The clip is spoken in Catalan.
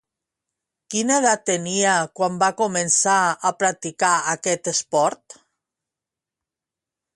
Quina edat tenia quan va començar a practicar aquest esport?